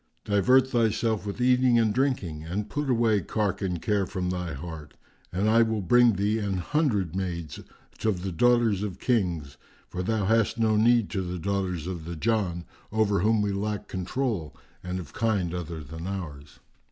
Divert thyself with eating and drinking and put away cark and care from thy heart, and I will bring thee an hundred maids of the daughters of Kings; for thou hast no need to the daughters of the Jann, over whom we lack controul and of kind other than ours."